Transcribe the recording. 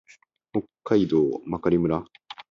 北海道真狩村